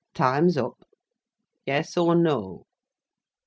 Time's up! Yes or no?"